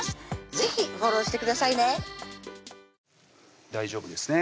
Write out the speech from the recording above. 是非フォローしてくださいね大丈夫ですね